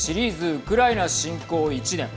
ウクライナ侵攻１年。